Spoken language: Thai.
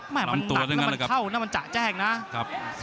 มันหนักแล้วเฉ่าน่ามันอ่าจากแจ้งนะ